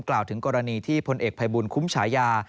กล่าวถึงกรณีที่พลเอกภัยบุญคุ้มฉายา